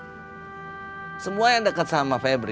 ini juga bukan masalah tentang si edward